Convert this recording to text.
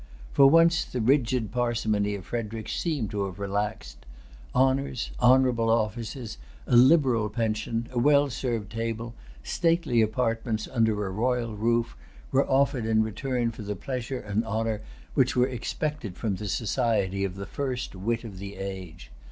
For once the rigid parsimony of Frederic seemed to have relaxed. Orders, honorable offices, a liberal pension, a well served table, stately apartments under a royal roof, were offered in return for the pleasure and honor which were expected from the society of the first wit of the age.